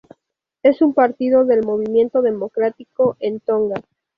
Es un partidario del movimiento democrático en Tonga.